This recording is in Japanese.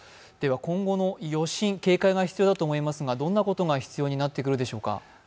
今後の余震、警戒が必要かと思いますがどんなことが必要になってくるでしょうか。